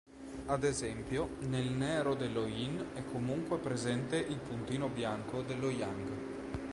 Ad esempio, nel "nero" dello yin è comunque presente il puntino "bianco" dello yang.